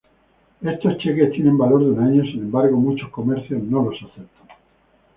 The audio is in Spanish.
Estos cheques tienen valor de un año, sin embargo muchos comercios no los aceptan.